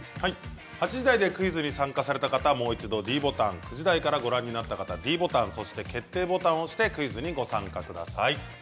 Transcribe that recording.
８時台でクイズに参加された方はもう一度ｄボタン９時台からご覧の方はｄボタンそして決定ボタンを押してクイズにご参加ください。